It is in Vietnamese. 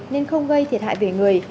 nên không gây thiệt hại về người